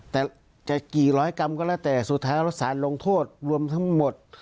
แต่จะกี่ร้อยกรัมก็แล้วแต่สุดท้ายแล้วสารลงโทษรวมทั้งหมด